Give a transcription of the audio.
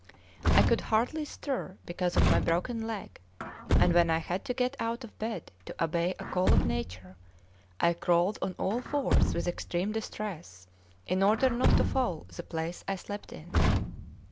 I could hardly stir because of my broken leg; and when I had to get out of bed to obey a call of nature, I crawled on all fours with extreme distress, in order not to foul the place I slept in.